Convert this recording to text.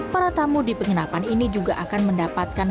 para tamu di penginapan ini juga akan mendapatkan